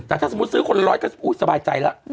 แต่ถ้าสมมุติซื้อคนร้อยก็สบายใจแล้ว